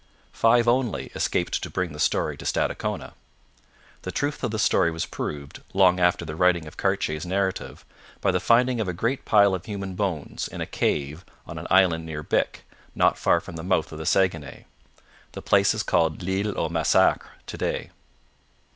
Five only escaped to bring the story to Stadacona. The truth of the story was proved, long after the writing of Cartier's narrative, by the finding of a great pile of human bones in a cave on an island near Bic, not far from the mouth of the Saguenay. The place is called L'Isle au Massacre to day.